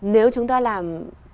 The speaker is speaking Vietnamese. nếu chúng ta làm